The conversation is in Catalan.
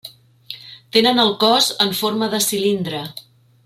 Tenen el cos en forma de cilindre.